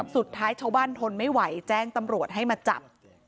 สุดท้ายชาวบ้านทนไม่ไหวแจ้งตำรวจให้มาจับ